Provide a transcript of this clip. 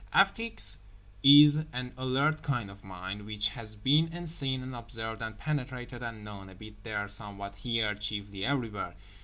Afrique's is an alert kind of mind, which has been and seen and observed and penetrated and known—a bit there, somewhat here, chiefly everywhere.